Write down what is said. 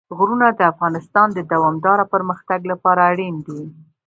غرونه د افغانستان د دوامداره پرمختګ لپاره اړین دي.